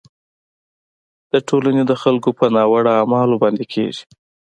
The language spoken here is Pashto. د ټولنې د خلکو په ناوړه اعمالو باندې کیږي.